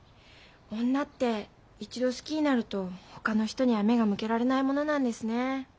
女って一度好きになるとほかの人には目が向けられないものなんですねえ。